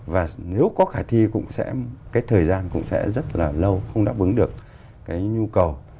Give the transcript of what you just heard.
và nếu có khả thi cũng sẽ cái thời gian cũng sẽ rất là lâu không đáp ứng được cái nhu cầu